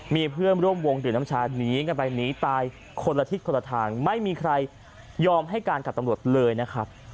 มีเพื่อนร่วมวงดื่มน้ำชาหนีกันไปหนีตายคนละทิศคนละทางไม่มีใครยอมให้การกับตำรวจเลยนะครับ